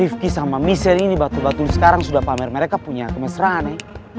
rifki sama misen ini batu batu sekarang sudah pamer mereka punya kemesraan nih